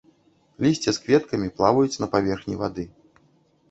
Лісце з кветкамі плаваюць на паверхні вады.